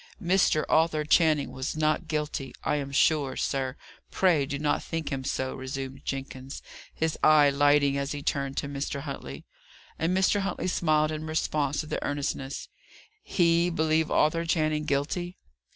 "Mr. Arthur Channing was not guilty, I am sure, sir; pray do not think him so," resumed Jenkins, his eye lighting as he turned to Mr. Huntley. And Mr. Huntley smiled in response to the earnestness. He believe Arthur Channing guilty!